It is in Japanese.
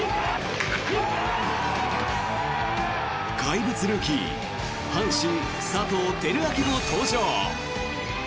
怪物ルーキー阪神、佐藤輝明も登場！